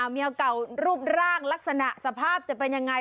เมียเก่ารูปร่างลักษณะสภาพจะเป็นยังไง